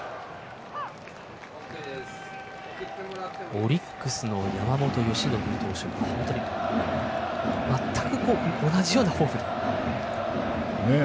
オリックスの山本由伸投手と本当にまったく同じようなフォーム。